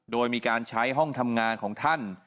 โดยมีการใช้ห้องทำงานของท่าน